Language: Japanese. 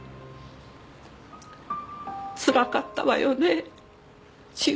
つらかったわよね千草。